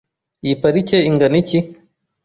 Iyi parike ingana iki?